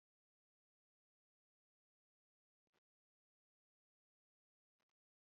inda uzajya ubyara abana ubabara kwifuza kwawe